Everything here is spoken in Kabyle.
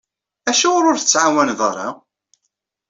Acuɣer ur tettɛawaneḍ ara?